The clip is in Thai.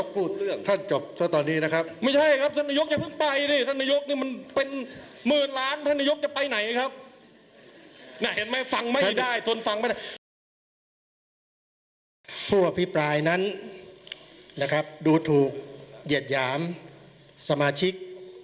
ผู้อภิปรายนั้นดูถูกเหยียดหยามสมาชิก